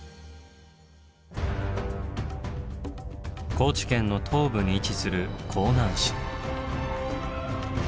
高知県の東部に位置する香南市。